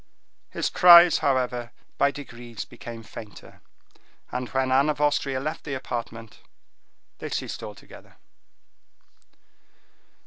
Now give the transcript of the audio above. His cries, however, by degrees, became fainter; and when Anne of Austria left the apartment, they ceased altogether.